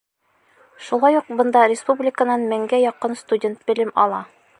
Шулай уҡ бында республиканан меңгә яҡын студент белем ала.